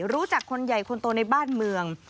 รู้จักคนใหญ่คนโตในบ้านเมือง